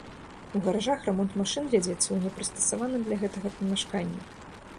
У гаражах рамонт машын вядзецца ў непрыстасаваным для гэтага памяшканні.